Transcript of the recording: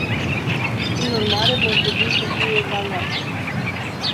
Prin urmare, vor trebui să fie evaluate.